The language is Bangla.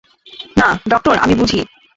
না, ডক্টর, আমি বুঝি।